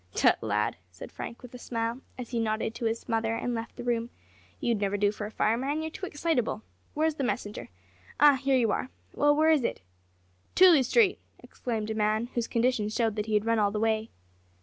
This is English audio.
"Tut, lad," said Frank, with a smile, as he nodded to his mother and left the room, "you'd never do for a fireman, you're too excitable. Where's the messenger? ah, here you are. Well, where is it?" "Tooley Street," exclaimed a man, whose condition showed that he had run all the way.